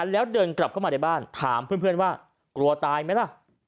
แล้วเดินกลับเข้ามาในบ้านถามเพื่อนว่ากลัวตายไหมล่ะ